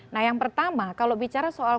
nah yang pertama kalau bicara soal